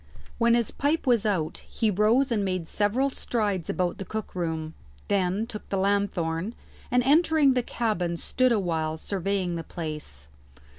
When his pipe was out he rose and made several strides about the cook room, then took the lanthorn, and entering the cabin stood awhile surveying the place.